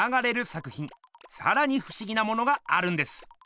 さらにふしぎなものがあるんです。